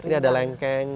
ini ada lengkeng